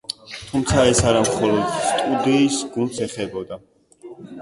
თუმცა, ეს არა მხოლოდ სტუდიის გუნდს ეხებოდა.